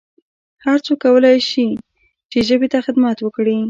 هرڅوک کولای سي چي ژبي ته خدمت وکړي